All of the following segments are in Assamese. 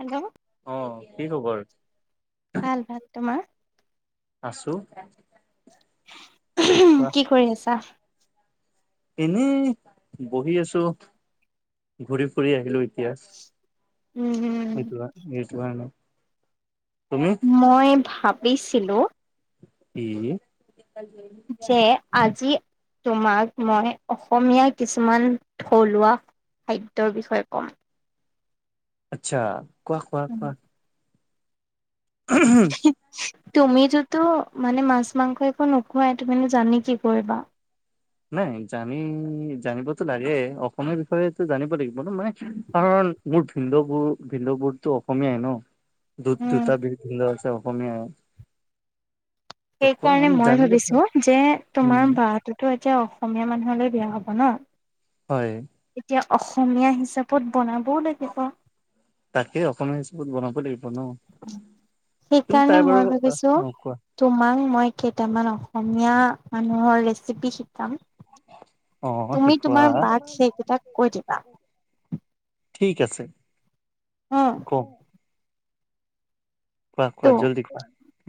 হেল্ল' অ', কি খবৰ? ভাল, ভাল তোমাৰ? আছো ওহম্ কোৱা কি কৰি আছা এনেই বহি আছো ঘূৰি ফুৰি আহিলো এতিয়া উম উম হম ভ ন [inaudible] মই ভাবিছিলো কি যে আজি তোমাক মই অসমীয়া কিছুমান থলুৱা খাদ্যৰ বিষয়ে কম আচ্ছা কোৱাহ কোৱাহ কোৱাহ হি তুমিটোতো মানে মাছ-মাংস একো নোখোৱাই, তুমিনো জানি কি কৰিবা। নাই জানি জানিবতো লাগে অসমীয়া বিষয়ে জানিব লাগিব মানে। মোৰ ভিণ্ডবোৰ - ভিণ্ডবোৰতো অসমীয়াই ন। উম। দুট-দুটা [unintelligible] আছে, অসমীয়াই আৰু। সেই কাৰণে মই ভাল ভাবিছো যে উম তোমাৰ বাতোটো এতিয়া অসমীয়া মানুহলৈ বেয়া হ'ব ন। হয়। এতিয়া অসমীয়া হিচাপত বনাবও লাগিব। তাকে অসমীয়া হিচাপত বনাব লাগিব। ন তুমি তাই সেইকাৰণে বাৰু মই ভাবিছো অ কোৱা তোমাক মই কেইটামান অসমীয়া মানুহৰ ৰেচিপি শিক কাম অ তুমি শিকোৱা তোমাৰ বাক সেইকেইটা কৈ দিবা। ঠিক আছে। অহ ', কম কোৱা - ত' কোৱা জল্দি কোৱা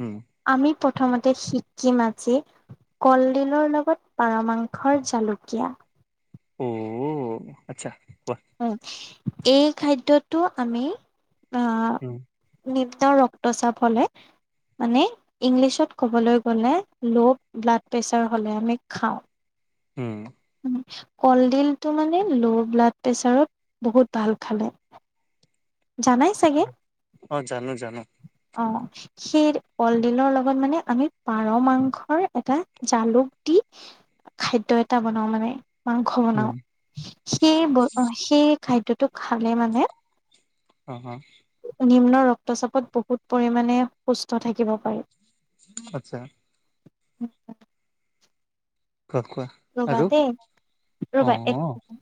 উম, আমি প্ৰথমতে সিকিম আজি কলডিলৰ লগত পাৰ মাংসৰ জালুকীয়া অহ, আচ্ছা। কোৱা উম, এই খাদ্যটো আমি আহ ওম, নিম্ন ৰক্তচাপ হলে মানে ইংলিছত ক'বলৈ গ'লে ল ব্লাড প্ৰেছাৰ হ'লে আমি খাও। উম, কলডিলটো মানে ল' ব্লাড প্ৰেছাৰত বহুত ভাল খালে। জানাই চাগে? অ, জানো - জানো। অ, সেই কলডিলৰ লগত মানে আমি পাৰ মাংসৰ এটা জালুক দি খাদ্য এটা বনাও মানে। মাংস বনাও উম সেই, বত-সেই খাদ্যটো খালে মানে অ - অ। নিম্ন ৰক্তচাপত বহুত পৰিমানে সুস্থ থাকিব পাৰি। আচ্ছা অ [inaudible] কোৱা কোৱা ৰ'বা আৰু দেই ৰবা এক অ' চেকেণ্ড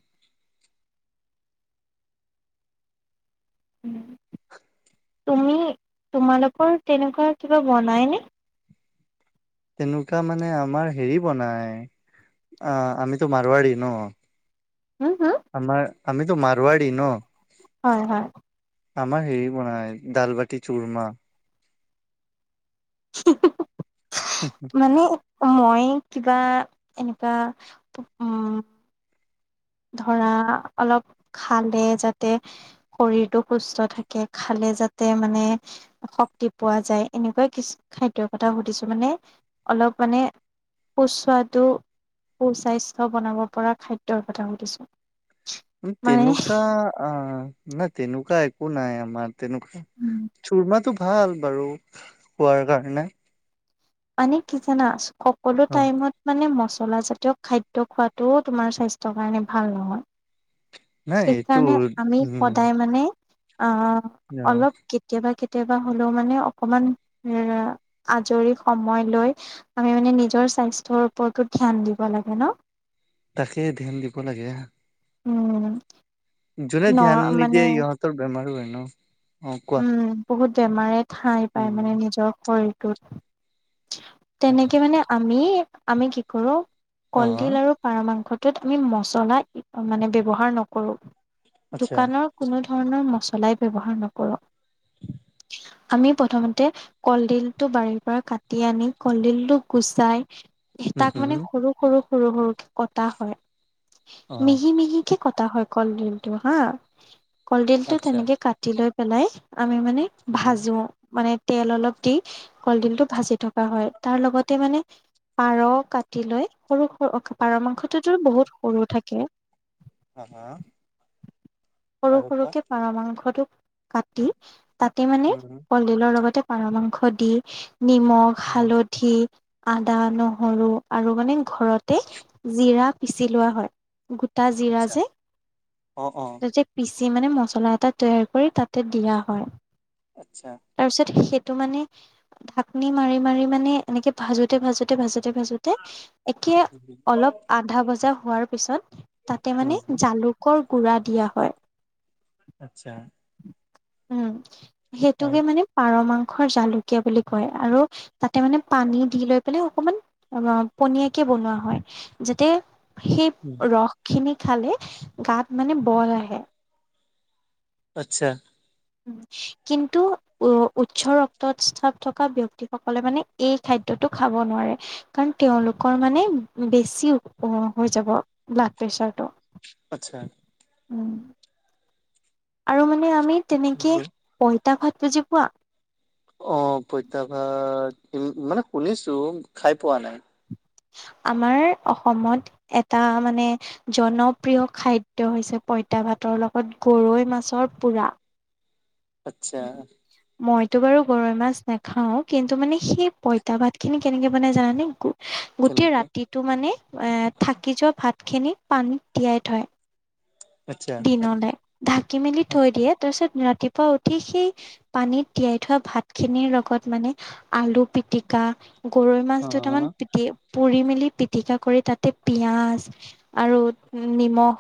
উম। তুমি তোমালোকৰ তেনেকুৱা কিবা বনাইনে। তেনেকুৱা মানে আমাৰ হেৰি বনাই অ, আমিতো মাৰুৱাৰী ন। হম হম আমাৰ আমিটো মাৰৱাৰি ন। হয়- হয়। আমাৰ হেৰি মান দালবাতি চুৰমা। [unintelligible] মানে মই কিবা এনেকুৱা উম'। ধৰা অলপ খালে যাতে শৰীৰটো সুস্থ থাকে খালে যাতে মানে শক্তি পোৱা যায়, এনেকুৱা কিছু খাদ্যৰ কথা সুধিছো মানে অলপ মানে সুস্বাদু, সুস্বাস্থ্য বনাব পৰা খাদ্যৰ কথা। [unintelligible] মানে তেনেকুৱা অ' নাই, তেনেকুৱা একো নাই আমাৰ তেনেকুৱা চুৰমাটো ভাল বাৰু খোৱাৰ কাৰণে মানে কি জানা সকলো অ' টাইমত মানে মচলা। জলাজাতীয় খাদ্য খোৱাতটোও তোমাৰ স্বাস্থ্যৰ কাৰণে ভাল নহয়। নাই এইটো সেইকাৰণে আমি উম সদায় মানে অ' অ' অলপ কেতিয়াবা কেতিয়াবা কেতিয়াবা হ'লেও মানে অকমান এ আজৰি সময় লৈ আমি মানে নিজৰ স্বাস্থ্যৰ ওপৰতো ধ্যান দিব লাগে ন'। তাকে ধ্যান দিব লাগে। উম'। যোনে ন ধ্যান মানে নিদিয়ে ইহঁতৰ বেমাৰো হয় ন'। অ কোৱা উম' বহুত বেমাৰে ঠাই পায় উম মানে নিজৰ শৰীৰটোত। তেনেকে মানে আমি, আমি কি কৰো অ কলডিল আৰু পাৰ মাংস য'ত আমি মচলা মানে ব্যৱহাৰ নকৰো। আচ্ছা দোকানৰ কোনো ধৰণৰ ম সলাই ব্যৱহাৰ নকৰ' আমি প্ৰথমতে কলডিলটো বাৰীৰ পৰা কাটি আনি কলডিলটো গুচাই উম তাক মানে হম সৰু-সৰু-সৰু সৰুকে কটা হয়। অ মিহি মিহিকে কথা হয় কলদিলটো হা কলডিলটো আচ্ছা তেনেকে কাটি লৈ পেলাই আমি মানে ভাজো মানে। তেল অলপ দি কলডিলটো ভাজি থকা হয় তাৰ লগতে মানে পাৰ কাটি লৈ সৰু-সৰু পাৰ মাংসটো তো বহুত সৰু থাকে। হা-হা। সৰু-সৰুকে পাৰ মাংসটো কাটি তাতে মানে উম কলডিলৰ লগতে পাৰ মাংস দি নিমখ, অ হালধি, আদা, নহৰু আৰু মানে ঘৰতে জিৰা পিচি লোৱা হয়। গোটা জিৰা আচ্ছা যে অ অ তাতে পিচি মানে মছলা এটা তৈয়াৰ কৰি তাত দিয়া হয়। আচ্ছা তাৰ পিছত সেইটো মানে ঢাকনি মাৰি, মাৰি মানে এনেকে ভাজোতে-ভাজোতে-ভাজোতে। ভাজোতে ভাজোতে একে অলপ আধা ভজা হোৱাৰ পিছত তাতে মানে উম জালুকৰ গুড়া দিয়া হয়। [inaudible] আচ্ছা। উম' আৰু সেইটোকে মানে পাৰমা জালুকীয়া বুলি কয় আৰু তাতে মানে পানী দি লৈ পেলাই অকমান অ' পনিয়াকে বনোৱা হয় যাতে সেই উম ৰস খিনি খালে গাত মানে বল আহে। আচ্ছা। কিন্তু উ উচ্চ ৰক্তত চাপ থকা ব্যক্তিসকলে মানে এই খাদ্য খাব নোৱাৰে কাৰণ তেওঁলোকৰ মানে বেছি হৈ যাব ব্লাড প্ৰে চাৰটো। আচ্ছা। উম। আৰু মানে আমি তেনেকে পইতা ভাত বুজি পোৱা? অ পইতা ভাত মানে শুনিছো, খাই পোৱা নাই। আমাৰ অসমত এটা মানে জনপ্ৰিয় খাদ্য হৈছে পইতা পইতা ভাতৰ লগত গৰৈ মাছৰ পোৰা। আত্চ্ছা। মইতো বাৰু গৰৈ মাছ নাখাওঁ কিন্তু মানে সেই পইতা ভাত খিনি কেনেকে বনাই জানানে? গোটেই কেনেকে ৰাতিটো মানে এ থাকি যোৱা ভাতখিনি পানীত তিয়াই থয়। আচ্ছা দিনলে ঢাকি মেলি থৈ দিয়ে তাছত ৰাতিপুৱা উঠি সেই পানীত তিয়াই থোৱা ভাতখিনিৰ লগত মানে আলু পিটিকা গৰৈ মাছ অ দুটামান পিটি পুৰি মেলি পিটিকা কৰি তাতে পিঁয়াজ আৰু নিমখ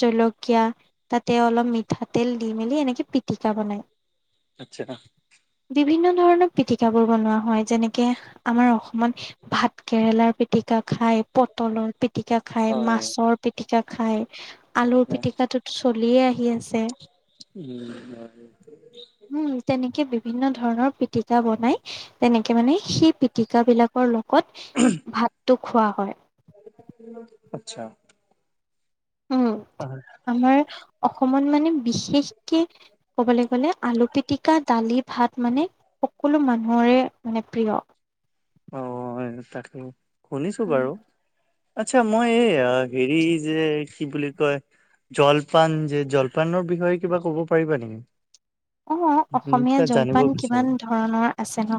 জলকীয়া তাতে অলপ মিঠাতেল দি মেলি এনেকে পিটিকা বনাই। আত্চ্ছা। বিভিন্ন ধৰণৰ পিটিকাবোৰ বনোৱা হয় যেনেকে আমাৰ অসমত ভাত কেৰেলাৰ পিটিকা খায়, পটলৰ পিটিকা খায়, হয় মাছৰ পিটিকা খায়, আলুৰ পিটিকাটো চলিয়ে আহি আছে। উম হয়। উম, তেনেকে বিভিন্ন ধৰণৰ পিতিকা বনাই তেনেকে মানে সেই পিটিকা বিলাকৰ লগ গত ভাতটো খোৱা হয়। আচ্ছা। উম অ আমাৰ অসমত মানে বিশেষকে ক'বলে গ'লে আলু পিতিকা দালি ভাত মানে, সকলো মানুহৰে মানে প্ৰিয়। অ তাকে শুনিছো উম, বাৰু আচ্ছা মই এই হেৰি যে কি বুলি কয় জলপান যে জলপানৰ বিষয়ে কিবা কব পাৰিবা নেকি। অ উম, অসমীয়া তাত জানিব জলপান বিচাৰো কিমান ধৰণৰ আছে ন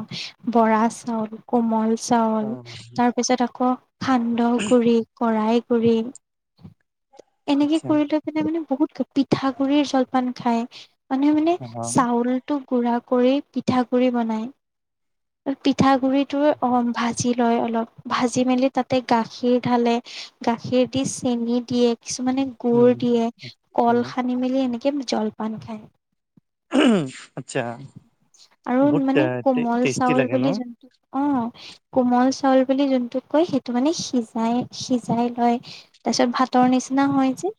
বৰা, চাউল, কোমল চাউল অ', তাৰ পিছত আকৌ সান্দহ গুৰি কৰাই গুৰি এনেকে আচ্ছা কৰি লৈ পিনে মানে বহুত পিঠা গুৰিৰ জলপান খায়। মানুহে মানে অ', চাউলটো গুড়া কৰি পিঠাগুৰি বনাই। পিঠাগুৰিটো অ ভাজি লয় অলপ, ভাজি মেলি তাতে গাখীৰ ঢালে, গাখীৰ দি চেনি দিয়ে। কিছুমানে উম। গুডুৰ দিয়ে কল উম সানি মেলি এনেকে জলপান খায়। আচ্ছা আৰু বহুত মানে টে কোমল টেষ্টি চাউল লাগে ন বুলি যোনটো অ কোমল চাউল বুলি যোনটোক কয় সেইটো মানে সিজাই সিজাই লয় তাৰপিছত ভাতৰ নিচিন নহয় যে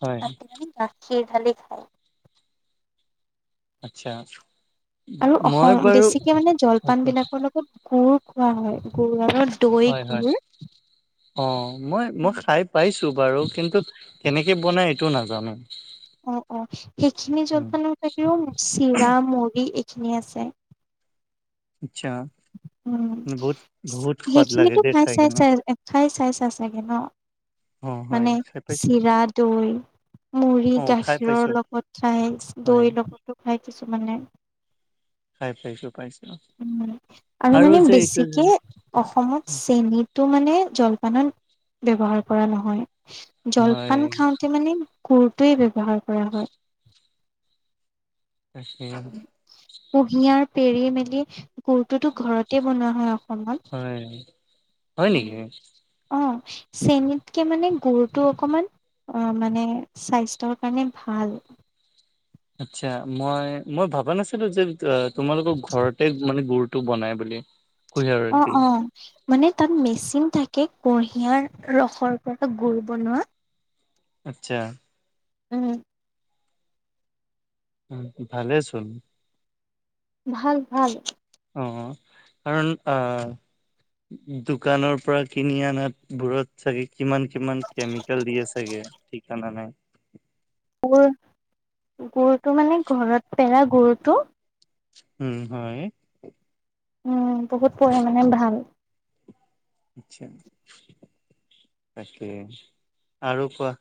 হয় মানি গাখীৰ ঢালি খায়। আচ্ছা আৰু মই অসম বাৰু বেছিকে মানে অ জলপান কোৱা। বিলাকৰ লগত গুুৰ খোৱা হয় গুৰ আৰু। দৈ হয় হয় গুৰ অ মই মই খাই পাইছো বাৰু কিন্তু কেনেক কে বনাই এইটো নাজানো। অ অ সেইখিনি উম জলপানৰ বাহিৰেও চিৰা মুৰি খিনি আছে। আচ্ছা উম বহুত বহুত সোৱাদ লাগে সেইখিনিতো দেই খাই চাই কেনে। চাই খাই চাই চাই চাগে ন। অ হয় মানে খাই পাইছো চিৰা দৈ, মুড়ি অ খাই পাইছো গাখীৰৰ লগত খাই হয় দৈৰ লগতো খাই কিছুমানে। খাই পাইছোঁ পাইছোঁ উ আৰু মানে যে বেছিকে অসমত চেনীটো মানে, জলপানত ব্যৱহাৰ কৰা নহয় হয় জলপান খাওঁতে মানে। গুৰটোৱে ব্যৱহাৰ কৰা হয়। [inaudible] কুঁহিয়াৰ পেৰি মেলি গুৰটোতো ঘৰতে বনোৱা হয় হয় হয় অ নেকি অ চেনিতকে মানে গুৰটো অকমান আহ মানে স্বাস্থ্যৰ কাৰণে ভাল আচ্ছা মই মই ভাবা নাছিলো যে তোমালোকৰ ঘৰতে গুৰ মানে গুৰ টো বনাই বুলি কুহিয়াৰত অ দি অ মানে তাত মেচিন থাকে কুঁহিয়াৰ ৰসৰ পৰা গুুৰ বনোৱা আতচ্ছা উম উম ভালে চোন ভাল ভাল অ কাৰণ আ দোকানৰ পৰা কিনি আনাত বোৰত চাগে কিমান কিমান কেমিকেল দিয়ে চাগে। ঠিকানা নাই গুৰ গুৰুটো মানে ঘৰত পেৰা গুৰটো উম হয়। উম বহুত পঢ়ে মানে ভাল আচ্ছা তাকে আৰু কোৱা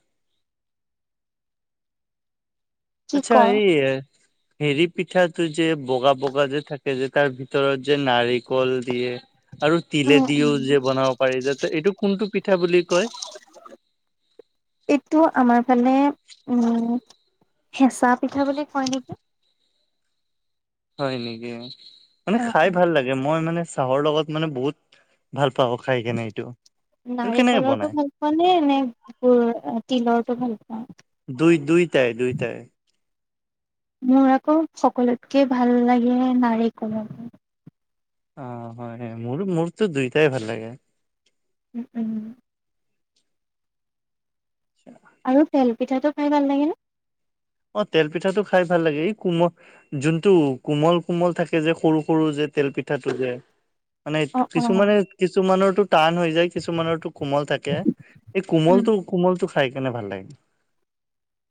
কি আচ্ছা কওঁ এই হেৰি পিঠাটো যে বগা বগা যে থাকে যে তাৰ ভিতৰত যে নাৰিকল দিয়ে। আৰু উম, তিলে দিওঁ উম। যে বনাব পাৰি যাতে এইটো কোনটো পিঠা বুলি কয়। এইটো আমাৰ পানে উম হেঁচা পিঠা বুলি কয় নিকি হয় নেকি মানে অ অ খাই ভাল লাগে মই মানে চাহৰ লগত মানে বহুত ভাল পাও খাই কেনে এইটো এইটো কেনেকে নাৰিকলৰটো বনাই ভাল পোৱা নে নে তিলৰটো ভাল পোৱা দুই দুইটাই-দুইটাই। মোৰ আকৌ সকলোতকে ভাল লাগে নাৰিকলৰ অ হয় মোৰ মোৰতো দুইটাই ভাল লাগে উম, উম, আৰু তেলপিঠাটো খাই ভাল লাগেনে অ', তেল পিঠাটো খাই ভাল লাগে এই কোমল, যোনটো কোমল-কোমল থাকে যে সৰু-সৰু যে। তেল পিঠাটো যে মানে অ অ কিছুমানে কিছুমানৰ টান হৈ যায় কিছুমানৰটো কোমল থাকে, এই উম কোমলটো-কোমলটো খাই কিনে ভাল লাগে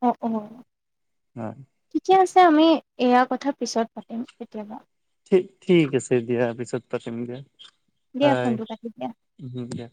[unintelligible] অ ঠিকে আছে আমি এয়া কথ কথা পিছত পাতিম কেতিয়াবা ঠিক ঠিক আছে দিয়া পিছত পাতিম দিয়া দিয়া হয় ফোনটো কাটি দিয়া হু দিয়া